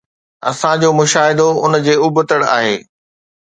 اسان جو مشاهدو ان جي ابتڙ آهي.